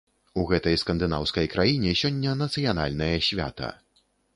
У гэтай скандынаўскай краіне сёння нацыянальнае свята.